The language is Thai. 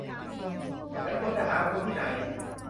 ฉันควรจะหาคุณที่ไหน